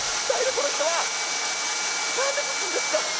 この人は！何でぶつんですか！